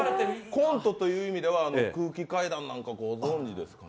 コントという意味では空気階段なんかご存じですか？